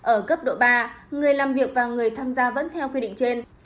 ở cấp độ ba người làm việc và người tham gia vẫn theo quy định trên